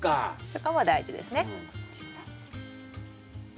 そこも大事ですね。